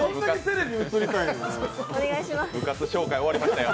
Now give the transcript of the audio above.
部活紹介終わりましたよ。